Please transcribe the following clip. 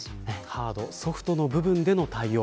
ハード、ソフトの部分での対応